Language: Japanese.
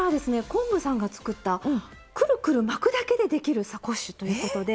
昆布さんが作ったくるくる巻くだけでできるサコッシュということで。